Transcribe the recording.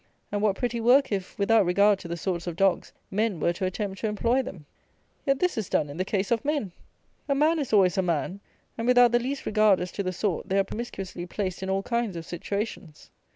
And, what pretty work, if, without regard to the sorts of dogs, men were to attempt to employ them! Yet, this is done in the case of men! A man is always a man; and, without the least regard as to the sort, they are promiscuously placed in all kinds of situations.